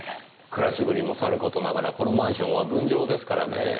暮らしぶりもさる事ながらこのマンションは分譲ですからねぇ。